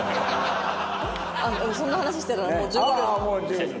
そんな話してたらもう１５秒。